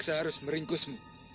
terpaksa harus meringkusmu